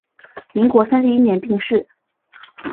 民国三十一年病逝。